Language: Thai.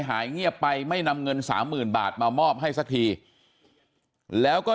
หายเงียบไปไม่นำเงินสามหมื่นบาทมามอบให้สักทีแล้วก็